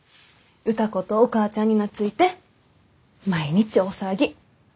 歌子とお母ちゃんに懐いて毎日大騒ぎ。